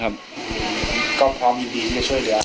ถ้าใครอยากรู้ว่าลุงพลมีโปรแกรมทำอะไรที่ไหนยังไง